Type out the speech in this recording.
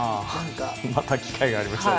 また機会がありましたら。